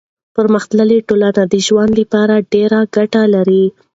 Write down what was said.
پرمختللي ټولنې د ژوند لپاره ډېر ګټې لري.